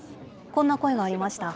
こんな声がありました。